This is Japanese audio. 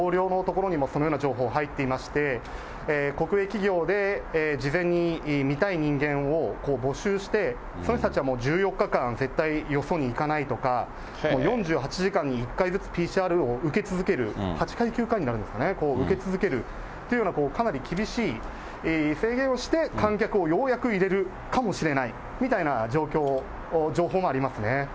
私たちの同僚のところにもそのような情報入っていまして、国営企業で事前に見たい人間を募集して、その人たちはもう１４日間、絶対よそに行かないとか、４８時間に１回ずつＰＣＲを受け続ける、８回、９回になるんですかね、受け続けるというような、かなり厳しい制限をして、観客をようやく入れるかもしれないみたいな情報もありますね。